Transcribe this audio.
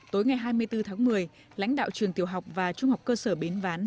tối ngày hai mươi bốn tháng một mươi lãnh đạo trường tiểu học và trung học cơ sở bến ván